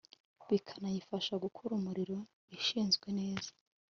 bikanayifasha gukora umurimo ishinzwe neza